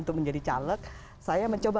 untuk menjadi caleg saya mencoba